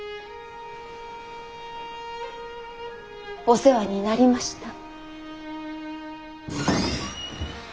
お世話になりました。